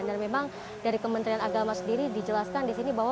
dan memang dari kementerian agama sendiri dijelaskan di sini